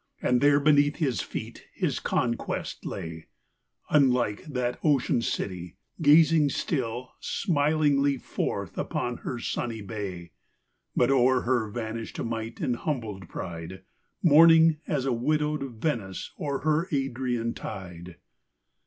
And there beneath his feet his conquest lay : Unlike that ocean city, gazing still Smilingly forth upon her sunny bay, ' But o'er her vanisht might and humbled pride Mourning, as widowed Venice o'er her Adrian tide.